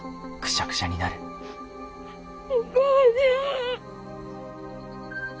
お母ちゃん。